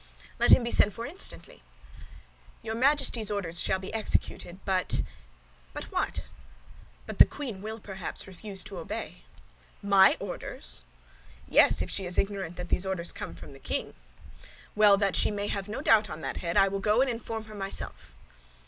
"Let him be sent for instantly." "Your Majesty's orders shall be executed; but—" "But what?" "But the queen will perhaps refuse to obey." "My orders?" "Yes, if she is ignorant that these orders come from the king." "Well, that she may have no doubt on that head, I will go and inform her myself."